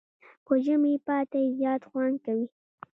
په ژمي پاتی زیات خوند کوي.